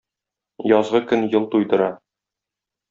Язгы көн ел туйдыра.